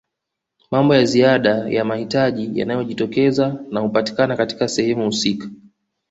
Mambo ya ziada ya mahitaji yanayojitokeza na hupatikana katika sehemu husika